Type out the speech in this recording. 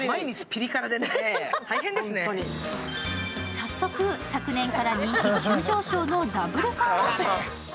早速昨年から人気急上昇のＷＦａｎをチェック。